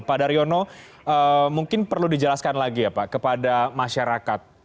pak daryono mungkin perlu dijelaskan lagi ya pak kepada masyarakat